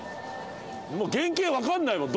もう原形わかんないもん。